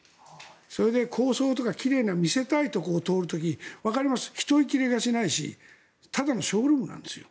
それで高層とか奇麗な見せたいところを通る時にわかります、人いきれがしないしただのショールームなんですよ。